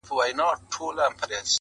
په کوم مخ به د خالق مخ ته درېږم؟!.